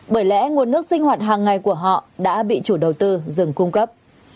bởi lẽ nguồn nước sinh hoạt hàng ngày của họ đã bị chủ đầu tư dừng cung cấp